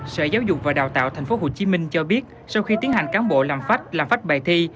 sở giáo dục và đào tạo tp hcm cho biết sau khi tiến hành cán bộ làm phách làm phách bài thi